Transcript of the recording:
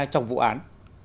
trong vụ án